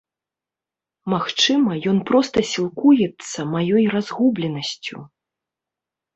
Магчыма, ён проста сілкуецца маёй разгубленасцю.